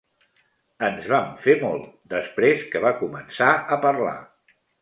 Ens vam fer molt, després que va començar a parlar.